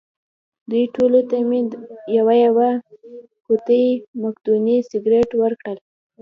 دوی ټولو ته مې یوه یوه قوطۍ مقدوني سګرېټ ورکړل.